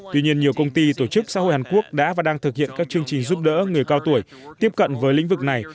tuy nhiên nhiều công ty tổ chức xã hội hàn quốc đã và đang thực hiện các chương trình giúp đỡ người cao tuổi tiếp cận với lĩnh vực này